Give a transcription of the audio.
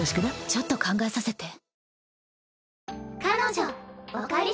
ちょっと考えさせて。